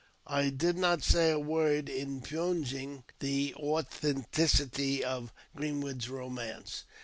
I did not say a word impugning the authenticity of Green wood's romance.